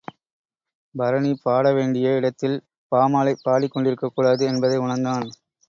பரணி பாட வேண்டிய இடத்தில் பாமாலை பாடிக் கொண்டிருக்கக்கூடாது என்பதை உணர்ந்தான்.